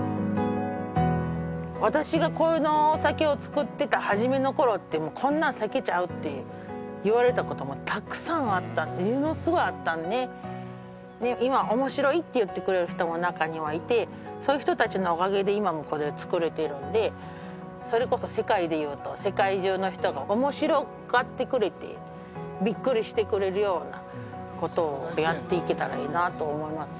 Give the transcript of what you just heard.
私がこのお酒を造ってた初めの頃って「こんなん酒ちゃう」って言われたこともたくさんあったっていうのすごいあったんで今は「面白い」って言ってくれる人も中にはいてそういう人達のおかげで今もこれ造れているんでそれこそ世界でいうと世界中の人が面白がってくれてビックリしてくれるようなことをやっていけたらいいなと思います